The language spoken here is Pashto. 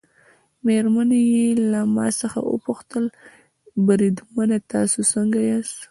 مېرمنې یې له ما څخه وپوښتل: بریدمنه تاسي څنګه یاست؟